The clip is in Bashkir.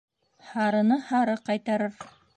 Һарыны һары ҡайтарыр.